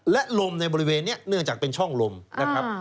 และลมในบริเวณนี้เนื่องจากเป็นช่องลมนะครับ